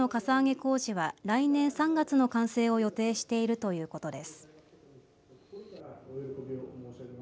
工事は来年３月の完成を予定しているということです。